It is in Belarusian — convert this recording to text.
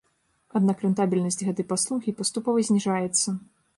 Аднак рэнтабельнасць гэтай паслугі паступова зніжаецца.